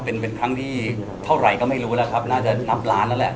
เป็นเป็นครั้งที่เท่าไหร่ก็ไม่รู้แล้วครับน่าจะนับล้านแล้วแหละ